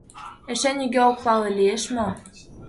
Эше нигӧ ок пале: лиеш мо?